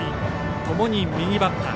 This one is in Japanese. ともに右バッター。